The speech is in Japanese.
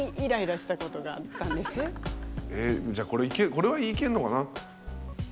えっじゃあこれはこれはいけんのかな？